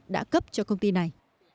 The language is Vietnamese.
đã cấp cho công ty này